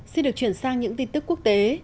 xin được chuyển sang những tin tức quốc tế